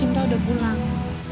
kita udah pulang